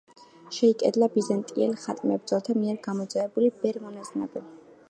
შეიკედლა ბიზანტიელ ხატმებრძოლთა მიერ გამოძევებული ბერ-მონაზვნები.